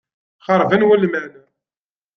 Xeṛben wulman.